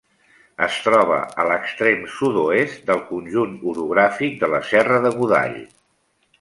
Es troba a l'extrem sud-oest del conjunt orogràfic de la Serra de Godall.